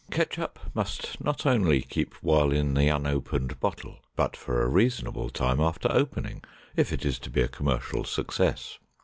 Ketchup must not only keep while in the unopened bottle, but for a reasonable time after opening, if it is to be a commercial success.